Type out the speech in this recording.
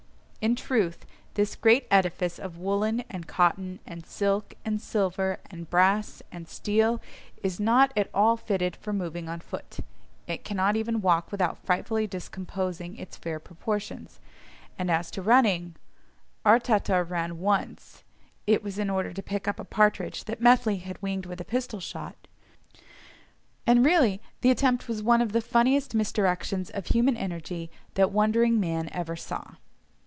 In truth, this great edifice of woollen, and cotton, and silk, and silver, and brass, and steel is not at all fitted for moving on foot; it cannot even walk without frightfully discomposing its fair proportions; and as to running—our Tatar ran once (it was in order to pick up a partridge that Methley had winged with a pistol shot), and really the attempt was one of the funniest misdirections of human energy that wondering man ever saw.